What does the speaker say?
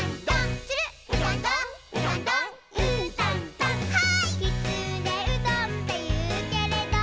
「きつねうどんっていうけれど」